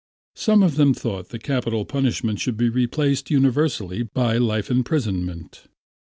Some of them thought that capital punishment should be replaced universally by life imprisonment.